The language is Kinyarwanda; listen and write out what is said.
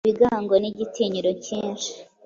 ibigango n’igitinyiro kinshi